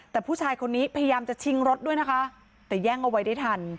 แต่ผู้ชายคนนี้พยายามจะชิงรถด้วยนะคะแต่แย่งเอาไว้ได้ทัน